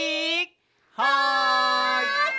はい！